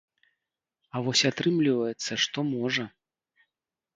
А вось атрымліваецца, што можа.